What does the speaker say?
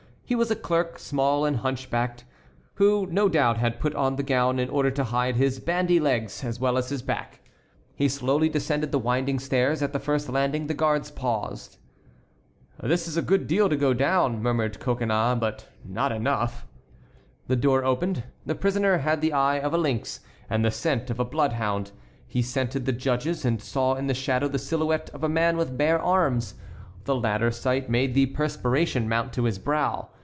He was a clerk, small and hunchbacked, who no doubt had put on the gown in order to hide his bandy legs, as well as his back. He slowly descended the winding stairs. At the first landing the guards paused. "That is a good deal to go down," murmured Coconnas, "but not enough." The door opened. The prisoner had the eye of a lynx and the scent of a bloodhound. He scented the judges and saw in the shadow the silhouette of a man with bare arms; the latter sight made the perspiration mount to his brow.